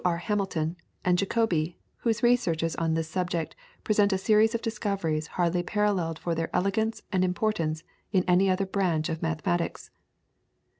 R. Hamilton, and Jacobi, whose researches on this subject present a series of discoveries hardly paralleled for their elegance and importance in any other branch of mathematics."